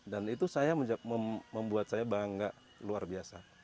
dan itu membuat saya bangga luar biasa